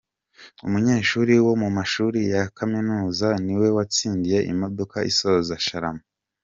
Umunyeshuri wo mumashuri Yakaminuza ni we watsindiye imodoka isoza Sharama